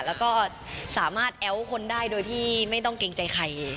แล้วก็สามารถแอ้วคนได้โดยที่ไม่ต้องเกรงใจใคร